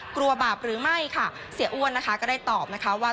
กลัวบาปหรือไม่เสียอ้วนก็ได้ตอบว่า